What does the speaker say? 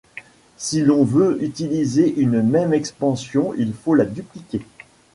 Si l'on veut utiliser une même expansion, il faut la dupliquer.